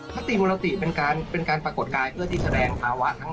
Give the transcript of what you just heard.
คติมูลติเป็นการปรากฏกายเพื่อที่แสดงภาวะทั้ง